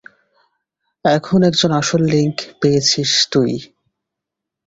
এখন, একজন আসল লিংক পেয়েছিস তুই।